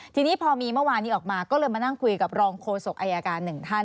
ทีนี้พอมีเมื่อวานนี้ออกมาก็เลยมานั่งคุยกับรองโฆษกอายการหนึ่งท่าน